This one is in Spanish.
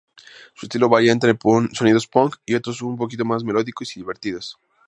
Su estilo varía entre sonidos Punk y otros un poco más melódicos y divertidos.